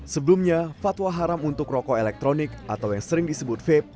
sebelumnya fatwa haram untuk rokok elektronik atau yang sering disebut vape